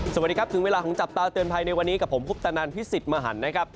สวัสดีครับถึงเวลาขอจับตาเตือนไพรในวันนี้กับผมภูปตานันท์พิสิตมหันต์นะครับ